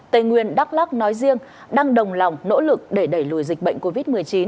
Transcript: tây nguyên đắk lắc nói riêng đang đồng lòng nỗ lực để đẩy lùi dịch bệnh covid một mươi chín